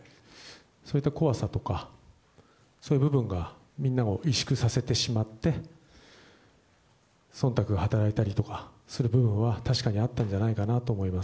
そういった怖さとか、そういう部分が、みんなを委縮させてしまって、そんたくが働いたりとかする部分は、確かにあったんじゃないかな